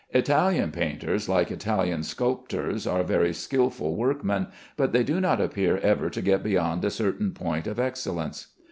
Italian painters, like Italian sculptors are very skilful workmen, but they do not appear ever to get beyond a certain point of excellence.